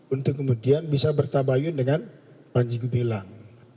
untuk kemudian bisa bertabayun dengan manjigo ngilang